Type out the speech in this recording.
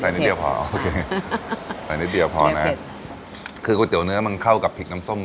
นิดเดียวพอโอเคใส่นิดเดียวพอนะคือก๋วยเตี๋ยเนื้อมันเข้ากับพริกน้ำส้ม